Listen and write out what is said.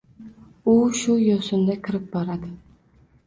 U shu yo‘sinda kirib boradi.